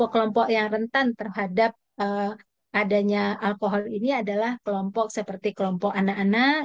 kelompok yang rentan terhadap adanya alkohol ini adalah kelompok seperti kelompok anak anak